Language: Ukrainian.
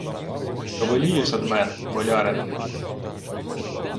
— Що волієш од мене, болярине?